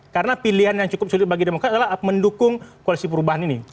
karena pilihan yang cukup sulit bagi demokrat adalah mendukung koalisi perubahan ini